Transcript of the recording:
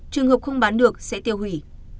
trường hợp không bán được sẽ tiêu hủy